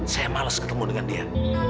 saya males ketemu dengan dia